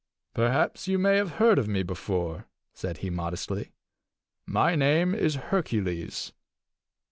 "Perhaps you may have heard of me before," said he modestly. "My name is Hercules."